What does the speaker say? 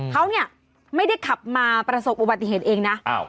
เขาเนี่ยไม่ได้ขับมาประสบอุบัติเหตุเองนะ